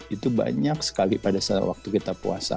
itu banyak sekali pada saat waktu kita puasa